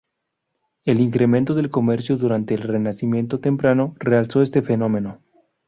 El incremento del comercio durante el renacimiento temprano realzó este fenómeno.